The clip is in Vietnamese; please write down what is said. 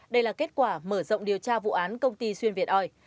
đây là kết quả mở rộng điều tra vụ án công ty xuyên việt oi